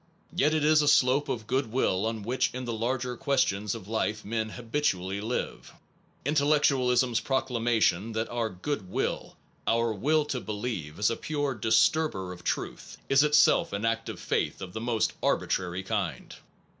Yet it is a slope of good will on which in the larger questions of life men habitually live. Intellectualism s proclamation that our good will, our will to believe, is a pure disturber of truth, is itself an act of faith of the most arbitrary kind.